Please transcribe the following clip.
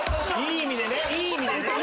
いい意味でしょ？